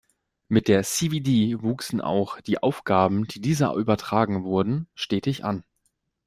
Mit der CvD wuchsen auch die Aufgaben, die dieser übertragen wurden, stetig an.